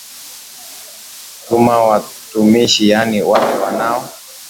tuna watumishi yaani wale wanao